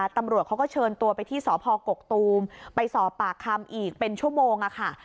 ตำรวจเขาก็เชิญตัวไปที่สพกกตูมไปสอบปากคำอีกเป็นชั่วโมงค่ะ